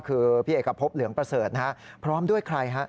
คือพี่เอกพบเหลืองประเสริฐนะฮะพร้อมด้วยใครฮะ